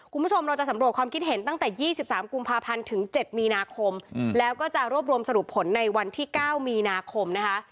คุณผู้ชมเราจะสำรวจความคิดเห็นตั้งแต่๒๓กุมภาพันธ์ถึง๗มีนาคมแล้วก็จะรวบรวมสรุปผลในวันที่๙มีนาคมนะคะ